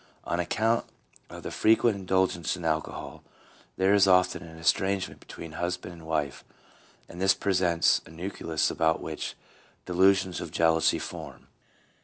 On account of the frequent indulgence in alcohol, there is often an estrangement between husband and wife, and this presents a nucleus about which delusions of jealousy form.